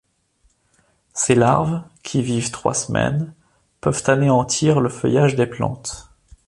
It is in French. Ses larves, qui vivent trois semaines, peuvent anéantir le feuillage des plantes.